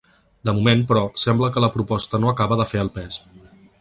De moment, però, sembla que la proposta no acaba de fer el pes.